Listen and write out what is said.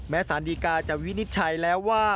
แม้สันนิกาจะวินิจฉัยแล้วว่า